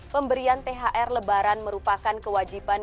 pemberian thr lebaran merupakan kewajiban